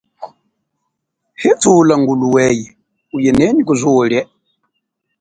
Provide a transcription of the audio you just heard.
Hithula ngulu weye uye nenyi kuzuo lie.